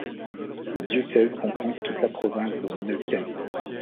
Le diocèse comprend toute la province de Neuquén.